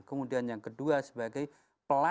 kemudian yang kedua sebagai pelaksana kebijakan atasan